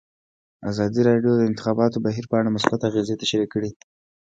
ازادي راډیو د د انتخاباتو بهیر په اړه مثبت اغېزې تشریح کړي.